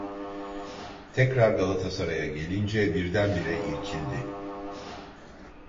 Tekrar Galatasaray’a gelince birdenbire irkildi.